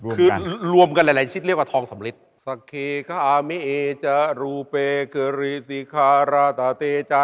คือรวมกันหลายชิ้นเรียกว่าทองสำลิด